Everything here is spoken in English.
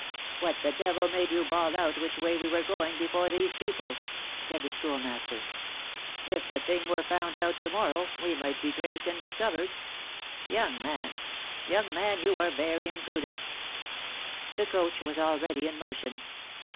"What the devil made you bawl out which way we were going before these people?" said the Schoolmaster. "If the thing were found out to morrow, we might be traced and discovered. Young man, young man, you are very imprudent!" The coach was already in motion.